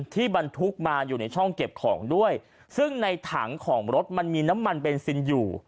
บรรทุกมาอยู่ในช่องเก็บของด้วยซึ่งในถังของรถมันมีน้ำมันเบนซินอยู่